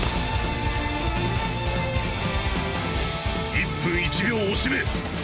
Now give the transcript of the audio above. １分１秒を惜しめ。